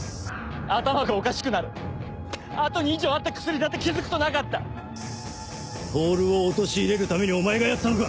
頭がおかしくなるあと２錠あった薬だって気付くとなか透を陥れるためにお前がやったのか？